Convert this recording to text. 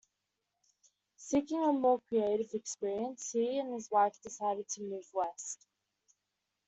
Seeking a more "creative" experience, he and his wife decided to move West.